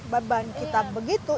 beban kita begitu